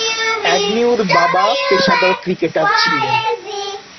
অ্যাগ্নিউ’র বাবা পেশাদার ক্রিকেটার ছিলেন।